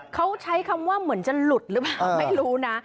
เขาใช้คำว่าเหมือนจะหลุดหรือเปล่าไม่รู้นะ